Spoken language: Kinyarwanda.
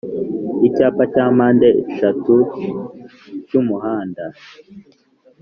icyapa cya mpandeshatu cy' mumuhanda